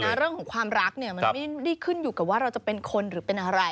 เรื่องของความรักเนี่ยมันไม่ได้ขึ้นอยู่กับว่าเราจะเป็นคนหรือเป็นอะไร